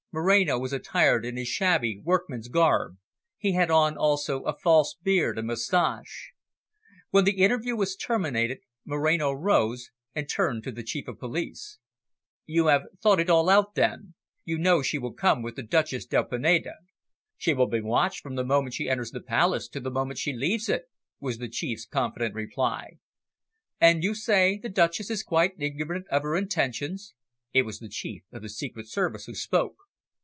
Moreno was attired in his shabby workman's garb; he had on also a false beard and moustache. When the interview was terminated, Moreno rose; and turned to the Chief of Police. "You have thought it all out then? You know she will come with the Duchess del Pineda." "She will be watched from the moment she enters the Palace to the moment she leaves it," was the chief's confident reply. "And you say that the Duchess is quite ignorant of her intentions?" It was the Chief of the Secret Service who spoke.